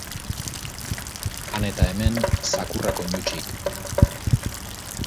Han eta hemen, zakurrak oinutsik.